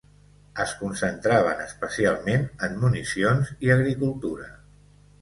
Es concentraven especialment en municions i agricultura.